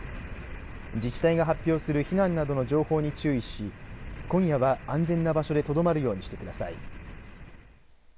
自治体が発表する避難などの情報に注意し今夜は安全な場所でとどまるようにしてください。